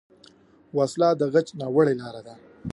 وسله د غچ ناوړه لاره ده